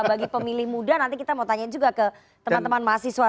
bagi pemilih muda nanti kita mau tanya juga ke teman teman mahasiswa